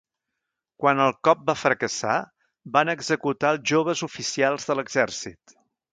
Quan el cop va fracassar, van executar els joves oficials de l'exèrcit.